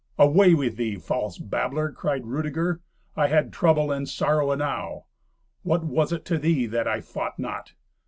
"Away with thee, false babbler!" cried Rudeger. "I had trouble and sorrow enow. What was it to thee that I fought not?